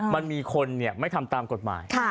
มันมีคนไม่ทำตามกฎหมาย